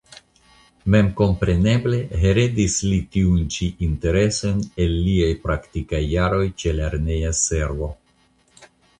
Memkompreneble heredis li tiujn ĉi interesojn el liaj praktikaj jaroj ĉe lerneja servo.